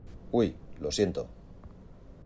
¡ uy! lo siento.